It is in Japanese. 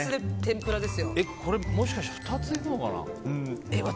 もしかして２ついくのかな。